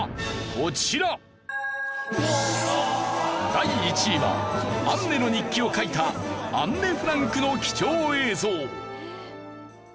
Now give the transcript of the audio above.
第１位は『アンネの日記』を書いたアンネ・フランクの貴重映像。